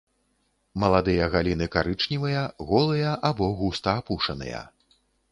Маладыя галіны карычневыя, голыя або густа апушаныя.